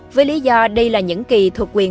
với lý do đây là những kỳ thuộc quyền